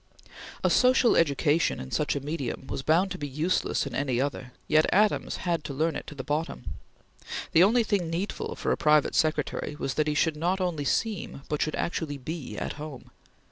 A social education in such a medium was bound to be useless in any other, yet Adams had to learn it to the bottom. The one thing needful for a private secretary, was that he should not only seem, but should actually be, at home.